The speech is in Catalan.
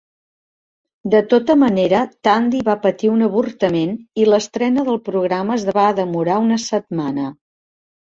De tota manera, Tandy va patir un avortament i l'estrena del programa es va demorar una setmana.